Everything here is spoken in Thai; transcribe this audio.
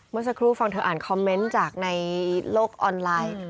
เมื่อสักครู่ฟังเธออ่านคอมเมนต์จากในโลกออนไลน์